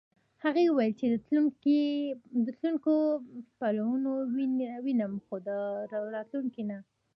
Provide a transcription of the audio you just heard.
هغې وویل چې د تلونکو پلونه وینم خو د راوتونکو نه.